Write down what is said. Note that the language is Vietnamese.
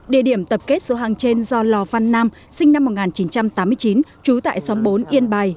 địa điểm tập kết số hàng trên do lò văn nam sinh năm một nghìn chín trăm tám mươi chín trú tại xóm bốn yên bài